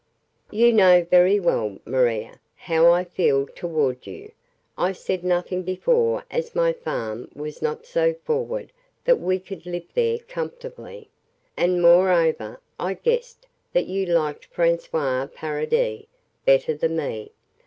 "You know very well, Maria, how I feel toward you. I said nothing before as my farm was not so forward that we could live there comfortably, and moreover I guessed that you liked François Paradis better than me.